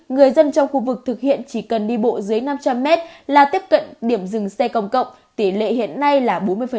người dân trong khu vực thực hiện chỉ cần đi bộ dưới năm trăm linh mét là tiếp cận điểm dừng xe công cộng tỷ lệ hiện nay là bốn mươi